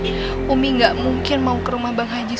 pasti ada apa apanya nih umi gak mungkin mau ke rumah sulam sama ibu ibu